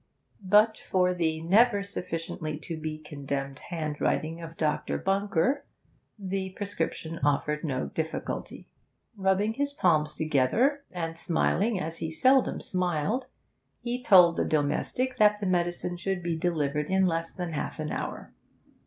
But for the never sufficiently to be condemned handwriting of Dr. Bunker, the prescription offered no difficulty. Rubbing his palms together, and smiling as he seldom smiled, he told the domestic that the medicine should be delivered in less than half an hour.